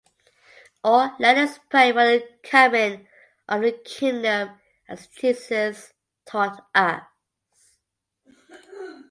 or Let us pray for the coming of the kingdom as Jesus taught us.